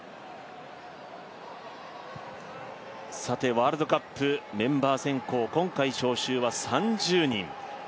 ワールドカップメンバー選考、今回、招集は３０人。